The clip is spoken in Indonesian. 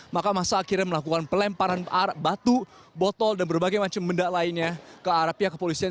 maka masa akhirnya melakukan pelemparan batu botol dan berbagai macam benda lainnya ke arah pihak kepolisian